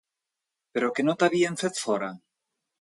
Però que no t'havien fet fora?